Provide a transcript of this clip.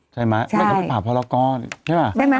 ใช่มั้ยเขาไปผ่าพลากรใช่มั้ย